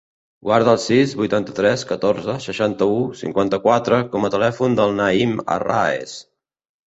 Guarda el sis, vuitanta-tres, catorze, seixanta-u, cinquanta-quatre com a telèfon del Naïm Arraez.